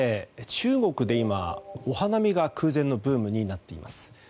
中国で今、お花見が空前のブームになっています。